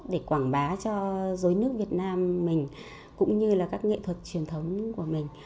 để quảng bá cho dối nước việt nam mình cũng như là các nghệ thuật truyền thống của mình